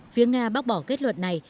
phía nga bác bỏ kết luận này